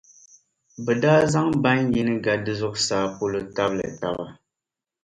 bɛ daa zaŋ ban’ yini ga di zuɣusaa polo tabili taba.